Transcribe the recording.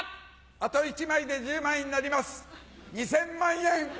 あと１枚で１０枚になります２０００万円！